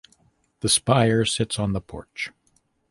The spire sits on the porch.